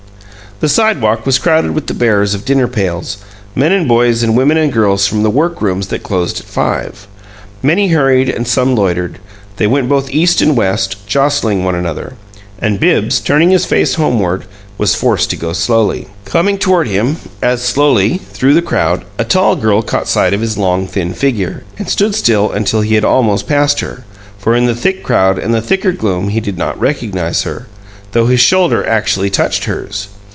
The sidewalk was crowded with the bearers of dinner pails, men and boys and women and girls from the work rooms that closed at five. Many hurried and some loitered; they went both east and west, jostling one another, and Bibbs, turning his face homeward, was forced to go slowly. Coming toward him, as slowly, through the crowd, a tall girl caught sight of his long, thin figure and stood still until he had almost passed her, for in the thick crowd and the thicker gloom he did not recognize her, though his shoulder actually touched hers.